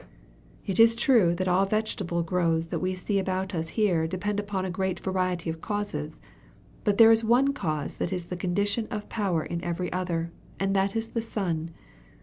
"It is true that all the vegetable growths that we see about us here depend upon a great variety of causes; but there is one cause that is the condition of power in every other, and that is the Sun!